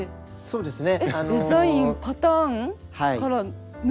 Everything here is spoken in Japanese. そうですね。